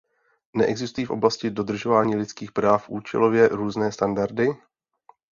Neexistují v oblasti dodržování lidských práv účelově různé standardy?